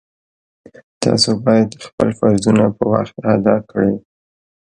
تاسو باید خپل فرضونه په وخت ادا کړئ